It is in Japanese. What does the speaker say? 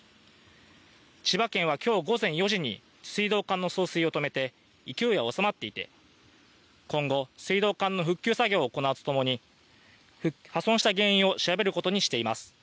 千葉県はきょう午前４時に水道管の送水を止めて、勢いは収まっていて、今後、水道管の復旧作業を行うとともに、破損した原因を調べることにしています。